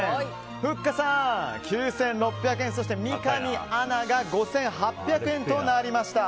ふっかさん、９６００円そして三上アナが５８００円となりました。